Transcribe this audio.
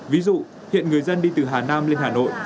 ví dụ hiện người dân đi từ hà nam lên hà nội